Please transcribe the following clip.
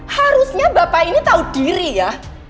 harusnya bapak ini tahu diri ya